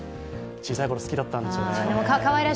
小さいころ、好きだったんですよね。